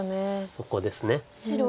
そこです。